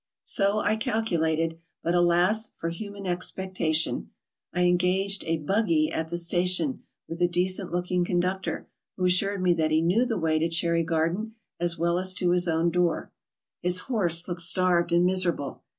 So I calculated ; but alas ! for human expectation. I engaged a " buggy " at the station, with a decent looking conductor, who assured me that he knew the way to Cherry Garden as well as to his own door. His horse looked starved and miserable.